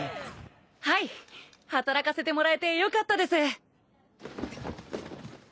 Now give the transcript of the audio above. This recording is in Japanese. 働かせてもらえてよかったです。